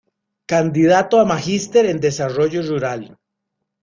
Candidato a magíster en Desarrollo Rural.